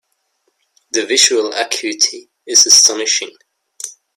The visual acuity is astonishing.